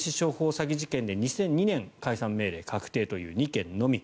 詐欺事件で２００２年、解散命令確定という２件のみ。